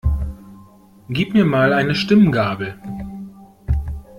Gib mir mal eine Stimmgabel.